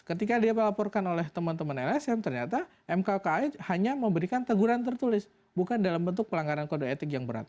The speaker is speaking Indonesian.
ketika dia melaporkan oleh teman teman lsm ternyata mk kai hanya memberikan teguran tertulis bukan dalam bentuk pelanggaran kode etik yang berat